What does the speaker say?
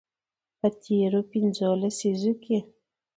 په تیرو پنځو لسیزو کې